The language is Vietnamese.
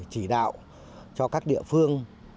chỉ đạo cho các địa phương